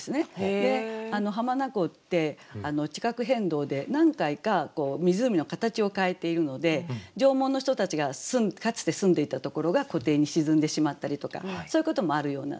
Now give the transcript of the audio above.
で浜名湖って地殻変動で何回か湖の形を変えているので縄文の人たちがかつて住んでいたところが湖底に沈んでしまったりとかそういうこともあるようなんですね。